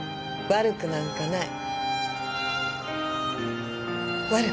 悪くなんかない。